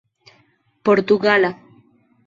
portugala